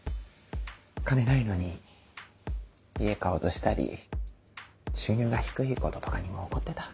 お金ないのに家買おうとしたり収入が低いこととかにも怒ってた。